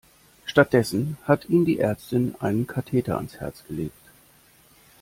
Stattdessen hat ihm die Ärztin einen Katheter ans Herz gelegt.